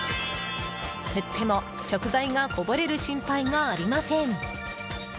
振っても食材がこぼれる心配がありません。